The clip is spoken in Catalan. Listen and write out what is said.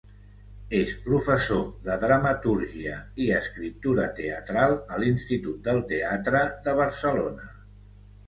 És professor de dramatúrgia i escriptura teatral a l'Institut del Teatre de Barcelona.